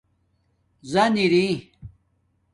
زَن ارئ